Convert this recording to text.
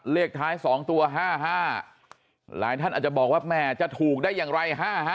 เลขท้าย๒ตัว๕๕หลายท่านอาจจะบอกว่าแม่จะถูกได้อย่างไร๕๕